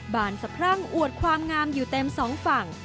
บานสะพรั่งอวดความงามอยู่เต็มสองฝั่ง